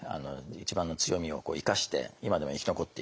一番の強みを生かして今でも生き残っている。